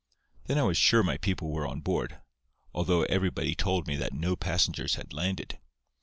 Then I was sure my people were on board, although everybody told me that no passengers had landed.